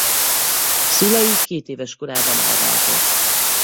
Szülei kétéves korában elváltak.